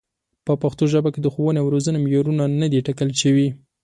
په پښتو ژبه د ښوونې او روزنې معیارونه نه دي ټاکل شوي.